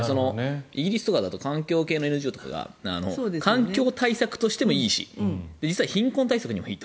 イギリスとかだと環境系のＮＧＯとかが環境対策としてもいいし実は貧困対策にもいいと。